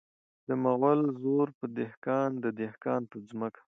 د مغل زور په دهقان د دهقان په ځمکه .